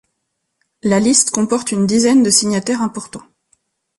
La liste comporte une dizaine de signataires importants.